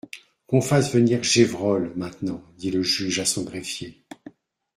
Qu'on fasse venir Gévrol, maintenant, dit le juge à son greffier.